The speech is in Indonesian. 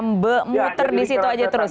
memutar di situ aja terus